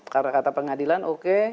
karena kata pengadilan oke